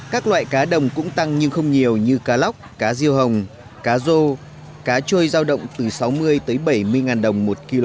các loại cá đồng cũng tăng nhưng không nhiều như cá lóc cá riêu hồng cá rô cá chuôi giao động từ sáu mươi bảy mươi ngàn đồng một kg